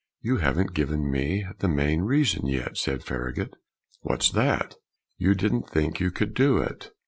"You haven't given me the main reason yet," said Farragut. "What's that?" "You didn't think you could do it."